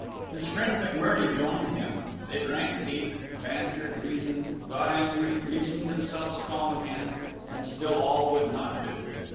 His friend M'Murdie joined him; they drank deep, bantered, reasoned, got angry, reasoned themselves calm again, and still all would not do.